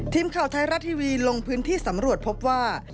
ทีมข่าวไทยรัฐทีวีลงพื้นที่สำรวจพบว่า